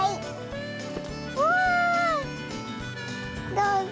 どうぞ。